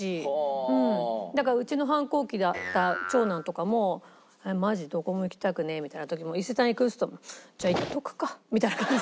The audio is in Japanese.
だからうちの反抗期だった長男とかも「マジどこも行きたくねえ」みたいな時も「伊勢丹行く？」って言うと「じゃあ行っとくか」みたいな。